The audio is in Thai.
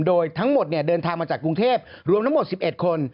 โดยทั้งหมดเดินทางมาจากกรุงเทพรวมทั้งหมด๑๑คน